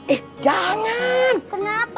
iya bentar ya